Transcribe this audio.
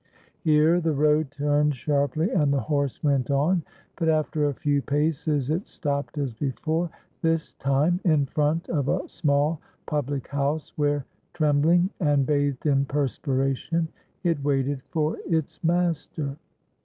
Here the road turned sharply, and the horse went on. But after a few paces it stopped as before; this time in front of a small public house, where trembling, and bathed in perspiration, it waited for its master.